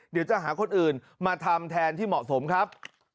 เดี๋ยวจะหาคนอื่นมาทำแทนที่เหมาะสมครับ